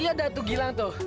iya dah tuh gilang tuh